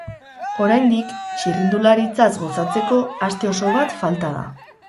Oraindik txirrindularitzaz gozatzeko aste oso bat falta da.